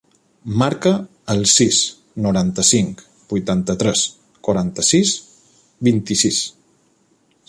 Marca el sis, noranta-cinc, vuitanta-tres, quaranta-sis, vint-i-sis.